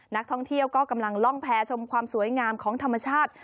นักท่องเที่ยวก็กำลังล่องแพรชมความสวยงามของธรรมชาติ